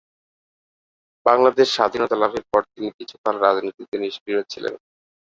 বাংলাদেশ স্বাধীনতা লাভের পর তিনি কিছুকাল রাজনীতিতে নিষ্ক্রিয় ছিলেন।